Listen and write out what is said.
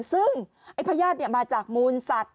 ซึ่งไอ้พญาติมาจากมูลสัตว